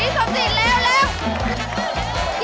ไส้เลย